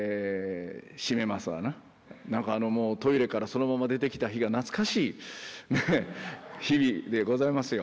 なんかトイレからそのまま出てきた日が懐かしい日々でございますよ